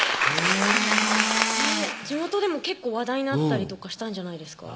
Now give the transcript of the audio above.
へぇ地元でも結構話題になったりとかしたんじゃないですか？